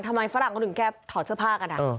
ทำไมฝรั่งก็ถึงแค่ถอดเสื้อผ้ากัน